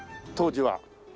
当時は。